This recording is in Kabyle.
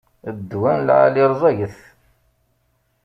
Ddwa n lεali rẓaget.